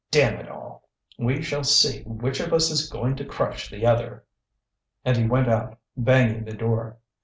damn it all! We shall see which of us is going to crush the other." And he went out, banging the door.